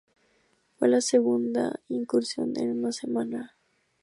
Fue la segunda incursión en una semana.